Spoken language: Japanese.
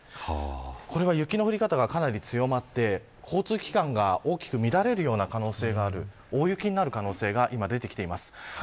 これは雪の降り方がかなり強まって交通機関が大きく乱れるような可能性がある大雪になる可能性が今、出てきています。